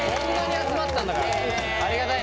ありがたいね。